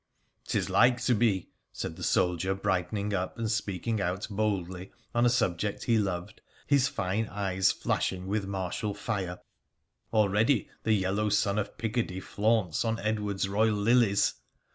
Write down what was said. ' 'Tis like to be,' said the soldier, brightening up and speaking out boldly on a subject he loved, his fine eyes flash ing with martial fire —' already the yellow sun of Picardy flaunts on Edward's royal lilies